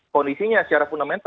kondisinya secara fundamentalnya